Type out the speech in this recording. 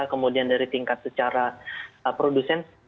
kemudian dari tingkat secara produsen